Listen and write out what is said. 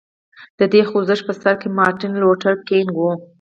د دې خوځښت په سر کې مارټین لوټر کینګ و.